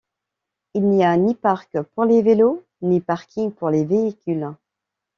Il n'y a ni parc pour les vélos ni parking pour les véhicules.